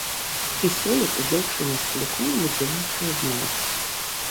І сёлета дзяўчына з сіліконам удзельнічае зноў.